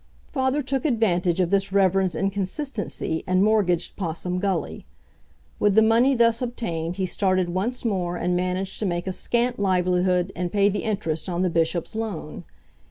Father took advantage of this Reverend's inconsistency and mortgaged Possum Gully. With the money thus obtained he started once more and managed to make a scant livelihood and pay the interest on the bishop's loan.